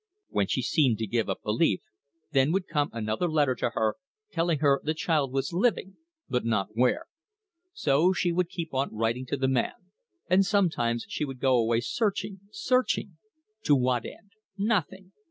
When she seemed to give up belief, then would come another letter to her, telling her the child was living but not where. So she would keep on writing to the man, and sometimes she would go away searching searching. To what end? Nothing!